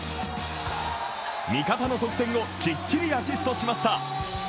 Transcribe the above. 味方の得点をきっちりアシストしました。